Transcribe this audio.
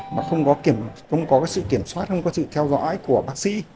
mà không có sự kiểm soát không có sự theo dõi của bác sĩ